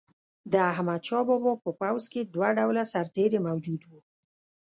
د احمدشاه بابا په پوځ کې دوه ډوله سرتیري موجود وو.